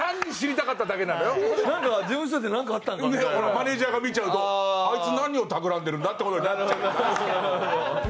マネジャーが見ちゃうとあいつ何をたくらんでるんだ？って事になっちゃうから。